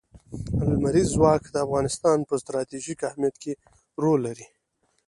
لمریز ځواک د افغانستان په ستراتیژیک اهمیت کې رول لري.